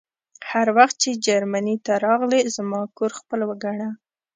هر وخت چې جرمني ته راغلې زما کور خپل وګڼه